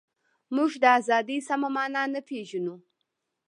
موږ د ازادۍ سمه مانا نه پېژنو.